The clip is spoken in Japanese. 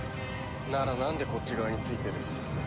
ならなんでこっち側についてる？